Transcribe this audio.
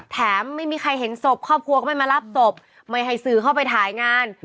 แถมไม่มีใครเห็นศพครอบครัวก็ไม่มารับศพไม่ให้สื่อเข้าไปถ่ายงาน